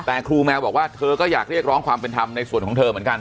แต่ครูแมวบอกว่าเธอก็อยากเรียกร้องความเป็นธรรมในส่วนของเธอเหมือนกัน